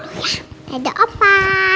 ya udah opa